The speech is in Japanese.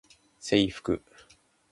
制服